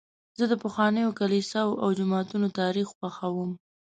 زه د پخوانیو کلیساوو او جوماتونو تاریخ خوښوم.